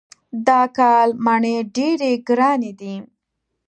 دا کال مڼې ډېرې ګرانې دي.